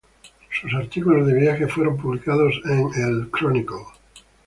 Sus artículos de viaje fueron publicados en el "Chronicle".